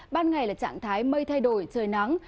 ban ngày là trạng thái mây thay đổi trời nắng